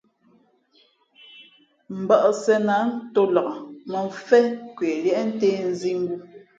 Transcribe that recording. Mbᾱʼ sēn ā ntō nlak mᾱmfén kwe liēʼntē nzīngū.